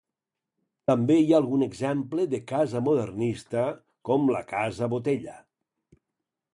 També hi ha algun exemple de casa modernista, com la casa Botella.